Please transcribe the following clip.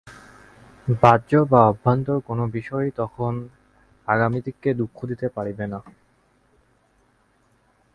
বাহ্য বা আভ্যন্তর কোন বিষয়ই তখন আমাদিগকে দুঃখ দিতে পারিবে না।